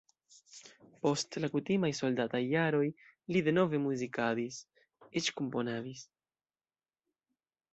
Post la kutimaj soldataj jaroj li denove muzikadis, eĉ komponadis.